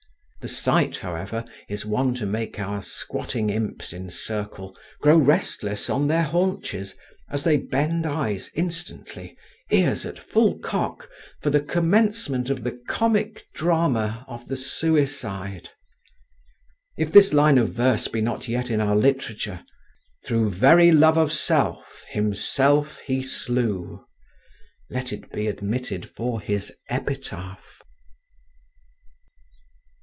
The sight, however, is one to make our squatting imps in circle grow restless on their haunches, as they bend eyes instantly, ears at full cock, for the commencement of the comic drama of the suicide. If this line of verse be not yet in our literature, Through very love of self himself he slew, let it be admitted for his epitaph.